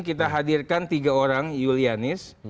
kita hadirkan tiga orang yulianis